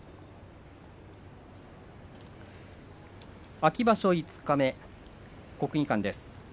秋場所五日目国技館です。